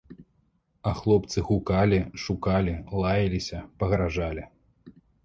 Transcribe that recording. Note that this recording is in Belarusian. А хлопцы гукалі, шукалі, лаяліся, пагражалі.